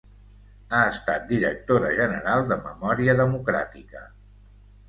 Ha estat directora general de Memòria Democràtica.